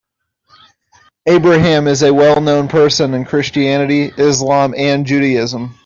Abraham is a well known person in Christianity, Islam and Judaism.